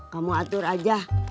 kamu atur aja